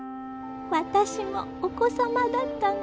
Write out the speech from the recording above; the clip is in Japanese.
私もお子様だったの。